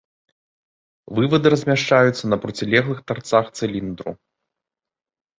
Вывады размяшчаюцца на процілеглых тарцах цыліндру.